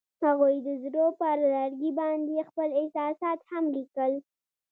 هغوی د زړه پر لرګي باندې خپل احساسات هم لیکل.